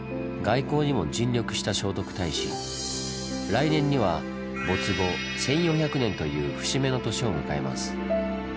来年には没後１４００年という節目の年を迎えます。